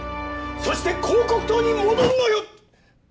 そして広告塔に戻るのよ！